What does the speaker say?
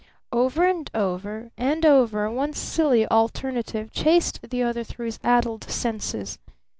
Over and over and over one silly alternative chased the other through his addled senses.